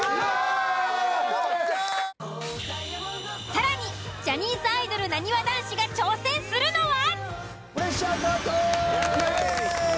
［さらにジャニーズアイドルなにわ男子が挑戦するのは］